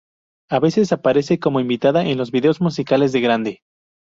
A veces, aparece como invitada en los videos musicales de Grande.